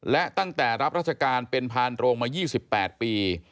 และตั้งแต่รับราชการเป็นพานโรงมา๒๘ปี